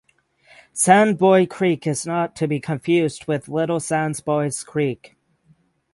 Sans Bois Creek is not to be confused with Little Sans Bois Creek.